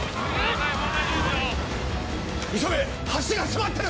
急げ橋が迫ってる！